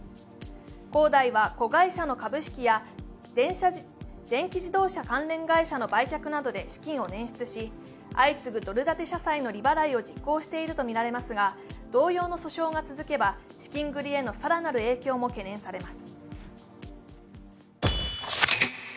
恒大は子会社の株式や電気自動車関連会社の売却などで資金を捻出し、相次ぐドル建て社債の利払いを実行しているとみられますが同様の訴訟が続けば資金繰りへの更なる影響も懸念されます。